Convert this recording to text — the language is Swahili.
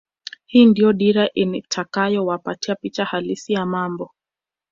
Hii ndio dira itakayowapatia picha halisi ya mambo